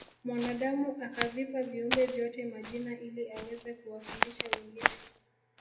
mwanadamu akavipa viumbe vyote majina ili aweze kuwafundisha wengine